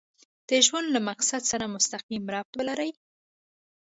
د ژوند له مقصد سره مسقيم ربط ولري.